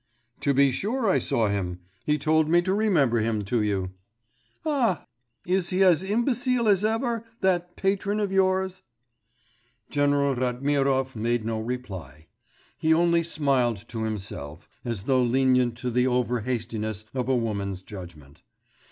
'To be sure I saw him. He told me to remember him to you.' 'Ah! is he as imbecile as ever, that patron of yours?' General Ratmirov made no reply. He only smiled to himself, as though lenient to the over hastiness of a woman's judgment.